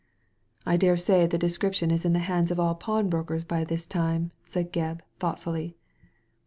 " I dare say the description is in the hands of all pawnbrokers by this time," said Gebb, thoughtfully.